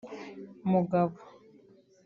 Mugabo